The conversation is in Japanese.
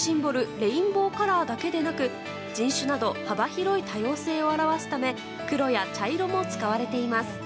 レインボーカラーだけでなく人種など幅広い多様性を表すため黒や茶色も使われています。